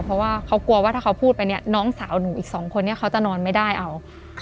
เพราะว่าเขากลัวว่าถ้าเขาพูดไปเนี่ยน้องสาวหนูอีกสองคนนี้เขาจะนอนไม่ได้เอา